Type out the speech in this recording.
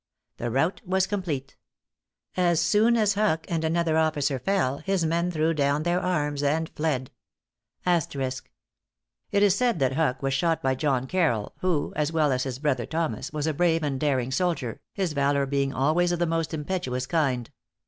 The rout was complete. As soon as Huck and another officer fell, his men threw down their arms and fled. It is said that Huck was shot by John Carrol, who, as well as his brother Thomas, was a brave and daring soldier, his valor being always of the most impetuous kind.